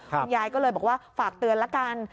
คุณยายก็เลยบอกว่าฝากเตือนละกัน